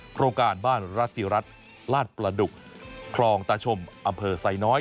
โครงการบ้านรัติรัฐลาดประดุกคลองตาชมอำเภอไซน้อย